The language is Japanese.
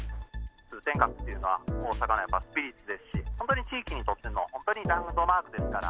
通天閣っていうのは、大阪のやっぱスピリットですし、本当に地域にとっての本当にランドマークですから。